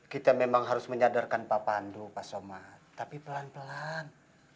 kita memang harus menyadarkan pak pandu pak somad tapi pelan pelan